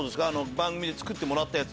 番組で作ってもらったやつ。